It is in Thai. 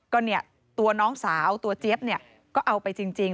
ก็ตัวน้องสาวเจ๊บเนี่ยก็เอาไปจริง